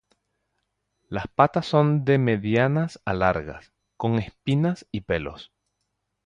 Las patas son de medianas a largas, con espinas y pelos.